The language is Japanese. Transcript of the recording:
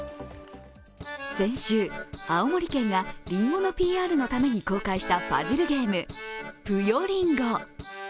先週、青森県がりんごのＰＲのために公開したパズルゲーム、ぷよりんご。